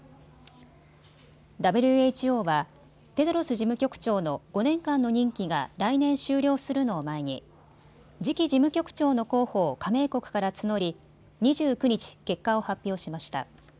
ＷＨＯは、テドロス事務局長の５年間の任期が来年終了するのを前に次期事務局長の候補を加盟国から募り２９日、結果を発表しました。